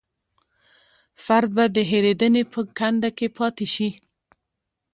فرد به د هېرېدنې په کنده کې پاتې شي.